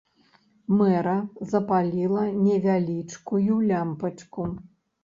Мэра запаліла невялічкую лямпачку.